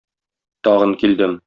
Тагын килдем.